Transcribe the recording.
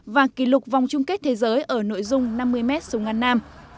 và kỷ lục vòng chung kết thế giới ở nội dung năm mươi m xung ngăn nam